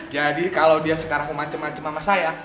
jadi kalo dia sekarang mau mancem mancem sama saya